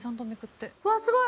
うわっすごい！